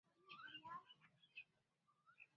چی د وګړو ترمنځ پر اړیکو، ډلو او ګوندونو